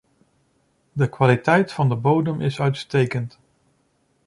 De kwaliteit van de bodem is uitstekend.